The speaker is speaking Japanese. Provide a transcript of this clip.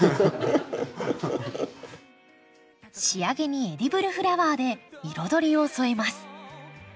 仕上げにエディブルフラワーで彩りを添えます。